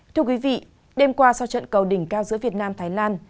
thưa quý vị đêm qua sau trận cầu đỉnh cao giữa việt nam thái lan